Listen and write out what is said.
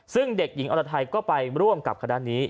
ซึ่งเด็กหญิงอรไทยก็ไปร่วมกับคณะนี้